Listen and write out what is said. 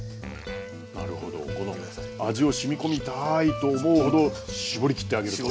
なるほどこの味をしみこみたいと思うほど絞りきってあげると。